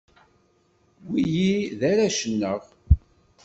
Wiyi d arrac-nneɣ.